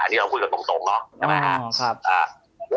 อันนี้เราพูดกันตรงเนาะใช่ไหมครับ